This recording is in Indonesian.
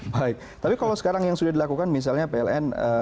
baik tapi kalau sekarang yang sudah dilakukan misalnya pln